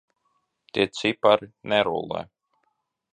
Tie cipari nerullē.